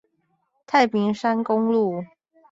太平山公路